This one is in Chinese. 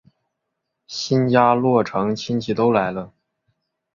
新家落成亲戚都来了